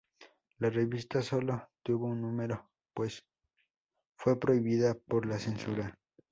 La revista sólo tuvo un número, pues fue prohibida por la censura.